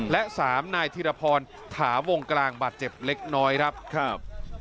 และ๓นายธิรพรถาวงกลางบัตรเจ็บเล็กน้อยครับ